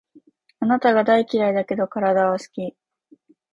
あなたが大嫌いだけど、体は好き